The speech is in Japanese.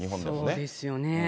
そうですよね。